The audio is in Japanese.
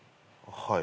はい。